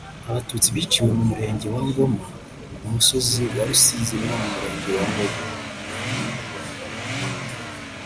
Abatutsi biciwe mu murenge wa Ngoma ku musozi wa Rusizi no mu murenge wa Mbogo